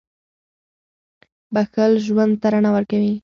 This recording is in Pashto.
• بښل ژوند ته رڼا ورکوي.